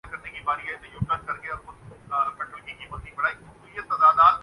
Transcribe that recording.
یہ فضول کی باتیں ہیں۔